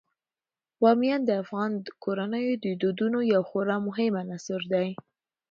بامیان د افغان کورنیو د دودونو یو خورا مهم عنصر دی.